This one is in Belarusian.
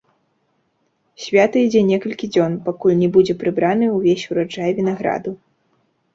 Свята ідзе некалькі дзён, пакуль не будзе прыбраны ўвесь ураджай вінаграду.